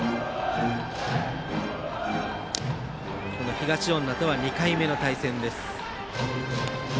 東恩納とは２回目の対戦です。